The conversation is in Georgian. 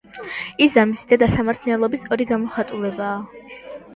ის და მისი დედა სამართლიანობის ორი გამოხატულებაა.